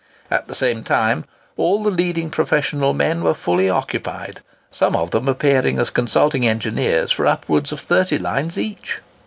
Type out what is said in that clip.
At the same time, all the leading professional men were fully occupied, some of them appearing as consulting engineers for upwards of thirty lines each!